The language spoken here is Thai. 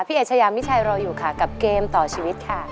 เอชยามิชัยรออยู่ค่ะกับเกมต่อชีวิตค่ะ